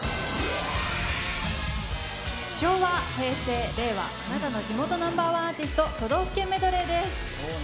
昭和、平成、令和、あなたの地元ナンバー１アーティスト都道府県メドレーです。